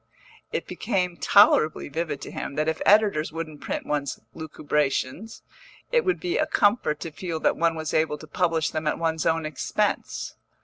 It became tolerably vivid to him that if editors wouldn't print one's lucubrations, it would be a comfort to feel that one was able to publish them at one's own expense.